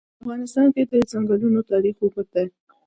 په افغانستان کې د ځنګلونه تاریخ اوږد دی.